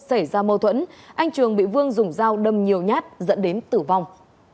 xảy ra mâu thuẫn anh trường bị vương dùng dao đâm nhiều nhát dẫn đến tử vong